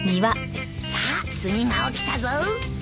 さあ炭がおきたぞ。